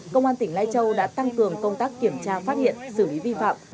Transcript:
công an tỉnh lai châu đã tăng cường công tác kiểm tra phát hiện xử lý vi phạm